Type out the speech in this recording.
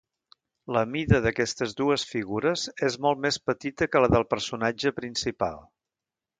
La mida d'aquestes dues figures és molt més petita que la del personatge principal.